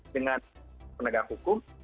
dengan penegak hukum